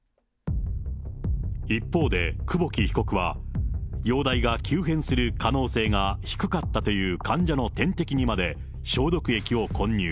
一方で、久保木被告は、容体が急変する可能性が低かったという患者の点滴にまで消毒液を混入。